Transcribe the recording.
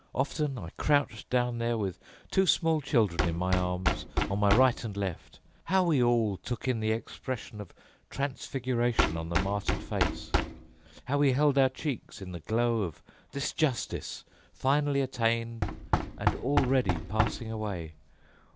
Often I crouched down there with two small children in my arms, on my right and left. How we all took in the expression of transfiguration on the martyred face! How we held our cheeks in the glow of this justice, finally attained and already passing away!